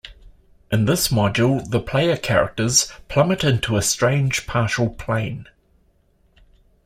In this module, the player characters plummet into a strange partial plane.